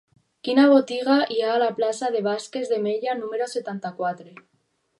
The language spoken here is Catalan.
Quina botiga hi ha a la plaça de Vázquez de Mella número setanta-quatre?